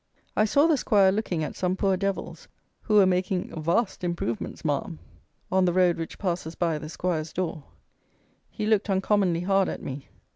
I saw the squire looking at some poor devils who were making "wauste improvements, ma'am," on the road which passes by the squire's door. He looked uncommonly hard at me.